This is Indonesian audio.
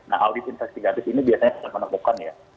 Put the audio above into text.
nah audit investigatif ini biasanya sudah menemukan ya